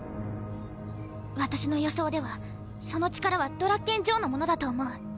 私の予想ではその力はドラッケン・ジョーのものだと思う。